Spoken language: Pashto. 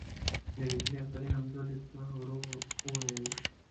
یوې نجلۍ خپلي همزولي ته ورو ووېل